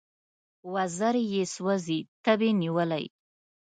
وزر یې سوزي تبې نیولی